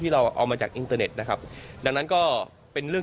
เราเอามาจากอินเตอร์เน็ตนะครับดังนั้นก็เป็นเรื่อง